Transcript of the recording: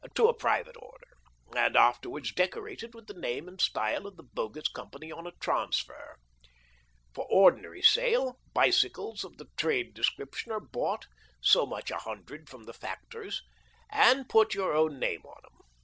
to a private order, and afterwards decorated with the name and style of the bogus company on a transfer. For ordinary sale, bicycles of the * trade ' description are bought — so much a hundred from the factors, and put your own name on 'em.